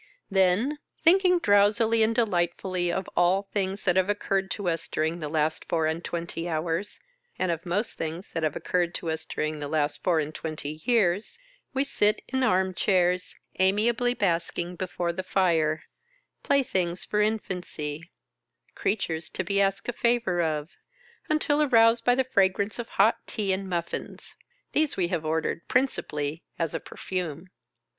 Then, thinking drowsily and delightfully of all things that have occurred to us during the last four and twenty hours, and of most things that have occurred to us during the last four and twenty years, we sit in arm chairs, amiably Chcirles Dic.keiig.J LIVES OF PLANTS. basking before the fire — playthings for in fancy— creatures to be asked a favour of — until aroused by the fragrance of hot tea and muffins. These we have ordered, principally as a perfume.